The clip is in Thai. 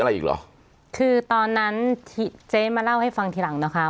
อะไรอีกเหรอคือตอนนั้นเจ๊มาเล่าให้ฟังทีหลังนะคะ